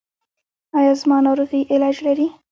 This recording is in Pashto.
ایا زما ناروغي علاج لري؟